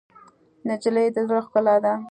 نجلۍ د زړه ښکلا ده.